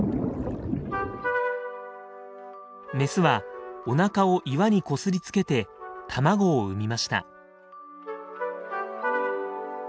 メスはおなかを岩にこすりつけて卵を産みました。